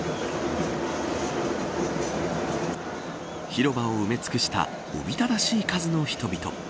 広場を埋め尽くしたおびただしい数の人々。